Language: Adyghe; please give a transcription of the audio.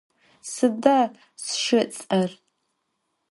Sıda sşşı ıts'er?